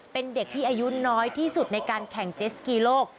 เป็นเด็กที่อายุน้อยที่สุดในการแข่งเจสกีโลก